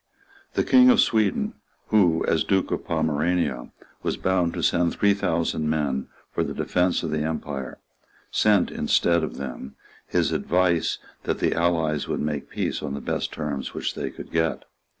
The King of Sweden, who, as Duke of Pomerania, was bound to send three thousand men for the defence of the Empire, sent, instead of them, his advice that the allies would make peace on the best terms which they could get.